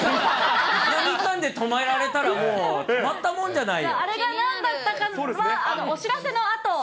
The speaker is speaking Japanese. イカ２貫で止められたらもう、たまったもんじゃないよ。